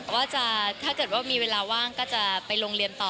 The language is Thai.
ว่าถ้าเกิดว่ามีเวลาว่างก็จะไปโรงเรียนต่อ